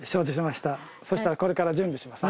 そしたらこれから準備します。